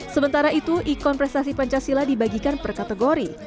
sementara itu ikon prestasi pancasila dibagikan per kategori